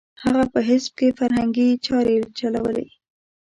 هغه په حزب کې فرهنګي چارې چلولې.